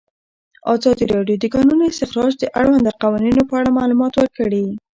ازادي راډیو د د کانونو استخراج د اړونده قوانینو په اړه معلومات ورکړي.